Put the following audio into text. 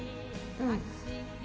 うん。